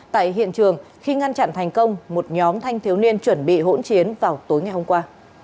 tại hiện trường khi ngăn chặn thành công một nhóm thanh thiếu niên chuẩn bị hỗn chiến vào tối ngày hôm qua